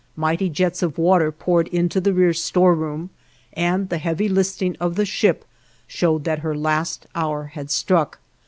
Mighty jets of water poured into the rear storeroom, and the heavy listing of the ship showed that her last hour had struck.